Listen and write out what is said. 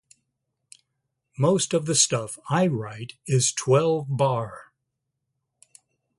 Most of the stuff I write is twelve-bar.